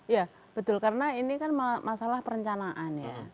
ya betul karena ini kan masalah perencanaan ya